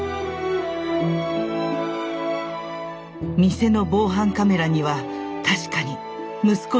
店の防犯カメラには確かに息子の姿が映っていました。